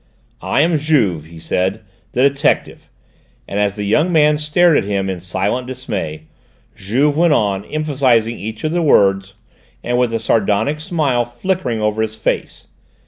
"I am Juve," he said, "the detective!" and as the young man stared at him in silent dismay, Juve went on, emphasising each of his words, and with a sardonic smile flickering over his face.